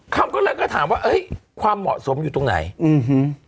เขาก็เลยก็ถามว่าเอ้ยความเหมาะสมอยู่ตรงไหนอืม